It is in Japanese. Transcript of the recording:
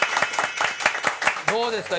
どうですか？